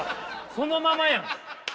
そのままやん！